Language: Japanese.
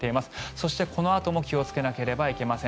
そして、このあとも気をつけなければいけません。